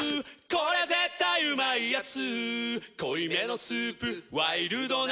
これ絶対うまいやつ」